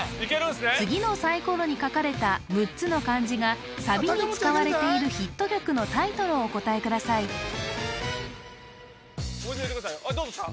次のサイコロに書かれた６つの漢字がサビに使われているヒット曲のタイトルをお答えください教えてくださいよどうですか？